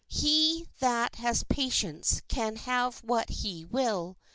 He that has patience can have what he will.